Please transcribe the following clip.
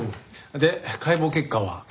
で解剖結果は？